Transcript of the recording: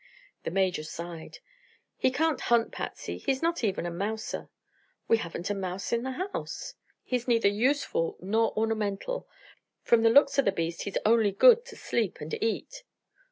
The Major sighed. "He can't hunt, Patsy; he's not even a mouser." "We haven't a mouse in the house." "He's neither useful nor ornamental. From the looks o' the beast he's only good to sleep and eat."